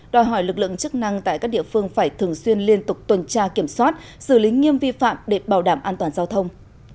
đòi hỏi lực lượng chức năng tại các địa phương phải thường xuyên liên tục tuần tra kiểm soát xử lý nghiêm vi phạm để bảo đảm an toàn giao thông